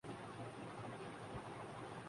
اپنی پہچان کرنے کے بعد ہی آپ کو خالق کی پہچان ہوگی